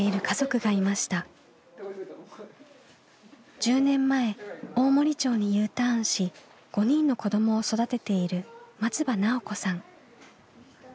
１０年前大森町にＵターンし５人の子どもを育てている松場奈緒子さん。